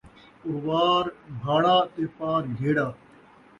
اُروار بھاڑا تے پار جھیڑا